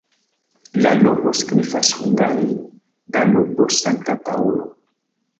La nomo signifas hungare Danubo-Sankta Paŭlo.